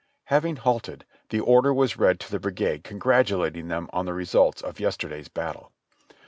Having halted, the order was read to the brigade congratulating them on the results of yesterday's battle.